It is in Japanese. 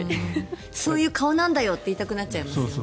そういう顔なんだよって言いたくなっちゃいますよね。